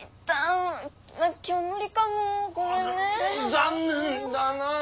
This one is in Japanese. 残念だな。